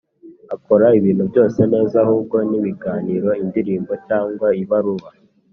akora ibintu byose neza, ahubwo ni ibiganiro, indirimbo, cyangwa ibaruwa